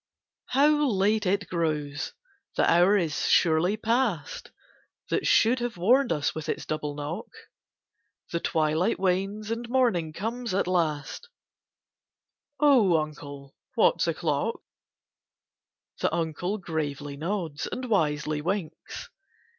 How late it grows! The hour is surely past That should have warned us with its double knock? The twilight wanes, and morning comes at last— "Oh, Uncle, what's o'clock?" The Uncle gravely nods, and wisely winks.